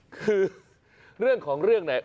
คือเรื่องของเรื่องไหน